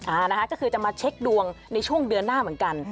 อ่านะคะก็คือจะมาเช็คดวงในช่วงเดือนหน้าเหมือนกัน